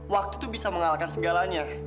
waktu itu bisa mengalahkan segalanya